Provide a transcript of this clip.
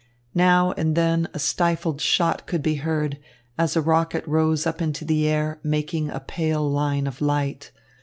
Now and then a stifled shot could be heard, as a rocket rose up into the air, making a pale line of light.